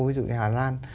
ví dụ như hà lan